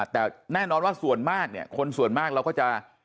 แต่แน่นอนว่าคนส่วนมากเราก็จะ